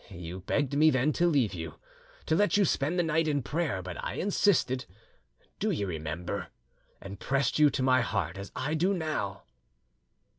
You begged me then to leave you, to let you spend the night in prayer; but I insisted, do you remember? and pressed you to my heart, as I do now."